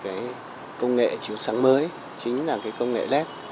giải mã được công nghệ chiều sáng mới chính là công nghệ led